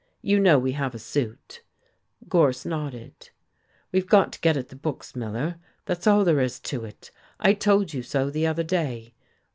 "You know we have a suit." Gorse nodded. "We've got to get at the books, Miller, that's all there is to it. I told you so the other day.